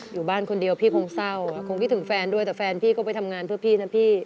อยู่บ้านคนเดียวพี่คงเศร้าคงคิดถึงแฟนด้วยแต่แฟนพี่ก็ไปทำงานเพื่อพี่นะพี่